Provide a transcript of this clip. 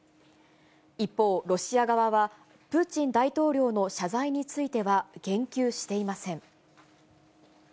一方、ロシア側はプーチン大統領の謝罪については言及していません。